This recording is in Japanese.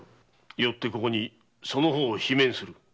よってここにその方を罷免する。